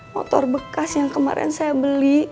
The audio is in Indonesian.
motor bekas yang kemarin saya beli